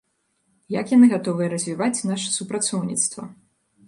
Як яны гатовыя развіваць наша супрацоўніцтва.